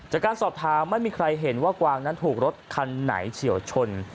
จากการสอบถามไม่มีใครเห็นว่ากวางนั้นถูกรถคันไหนเฉียวชน